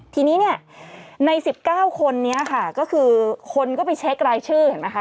ทีนี้เนี่ยใน๑๙คนนี้ค่ะก็คือคนก็ไปเช็ครายชื่อเห็นไหมคะ